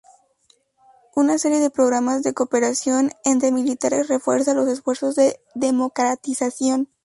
Una serie de programas de cooperación entre militares refuerza los esfuerzos de democratización.